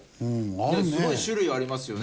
すごい種類ありますよね